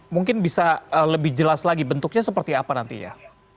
mungkin bisa lebih jelas lagi bentuknya seperti apa nantinya